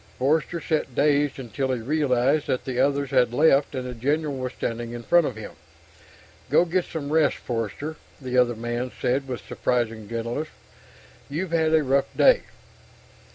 Forster sat, dazed, until he realized that the others had left, and the general was standing in front of him. "Go get some rest, Forster," the other man said with surprising gentleness. "You've had a tough day."